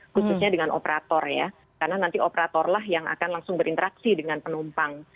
khususnya dengan operator ya karena nanti operatorlah yang akan langsung berinteraksi dengan penumpang